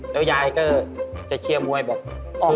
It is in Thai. แล้วยายก็จะเชียร์มวยบอก